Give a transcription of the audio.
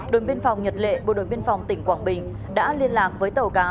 đồn biên phòng nhật lệ bộ đội biên phòng tỉnh quảng bình đã liên lạc với tàu cá